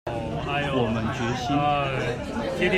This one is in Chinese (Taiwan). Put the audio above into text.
我們決心